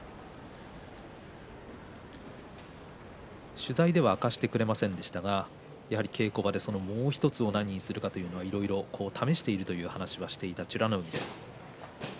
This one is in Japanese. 取材では明かしてくれませんでしたがやはり稽古場でもう１つ何にするかといろいろ試しているという話もしていた美ノ海です。